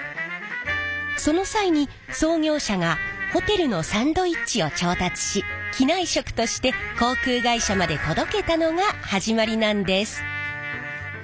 その際に創業者がホテルのサンドイッチを調達し機内食として航空会社まで届けたのが始まりなんです。